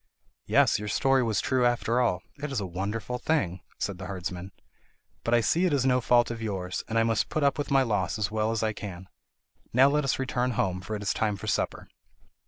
"Yes, your story was true after all; it is a wonderful thing," said the herdsman. "But I see it is no fault of yours, and I must put up with my loss as well as I can. Now let us return home, for it is time for supper.